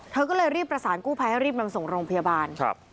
เธอก็เลยรีบประสานกู้ภัยให้รีบนำส่งโรงพยาบาลครับ